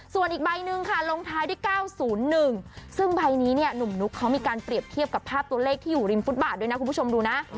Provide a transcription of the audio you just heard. ส่วนอีกใบหนึ่งค่ะลงท้ายด้วย๙๐๑ซึ่งใบนี้เนี่ยหนุ่มนุ๊กเขามีการเปรียบเทียบกับภาพตัวเลขที่อยู่ริมฟุตบาทด้วยนะคุณผู้ชมดูนะ